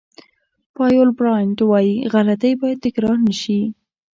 پایول براینټ وایي غلطۍ باید تکرار نه شي.